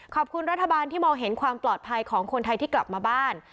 ขอบคุณรัฐบาลที่มองเห็นความปลอดภัยของคนไทยที่กลับมาบ้าน